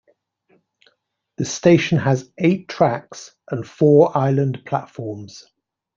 The station has eight tracks and four island platforms.